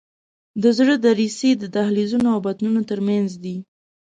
د زړه دریڅې د دهلیزونو او بطنونو تر منځ دي.